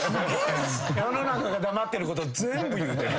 世の中が黙ってること全部言うてる。